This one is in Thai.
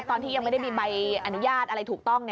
ตอนที่ยังไม่ได้มีใบอนุญาตอะไรถูกต้อง